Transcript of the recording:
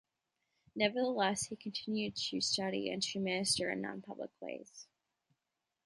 Nevertheless, he continued to study and to minister in non-public ways.